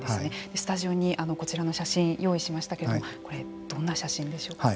スタジオにこちらの写真用意しましたけれどもこれどんな写真でしょうか。